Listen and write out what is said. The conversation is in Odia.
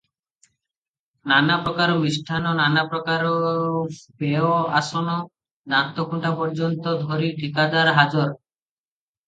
ନାନାପ୍ରକାର ମିଷ୍ଟାନ୍ନ, ନାନାପ୍ରକାର ପେୟ, ଆସନ, ଦାନ୍ତଖୁଣ୍ଟା ପର୍ଯ୍ୟନ୍ତ ଧରି ଠିକାଦାର ହାଜର ।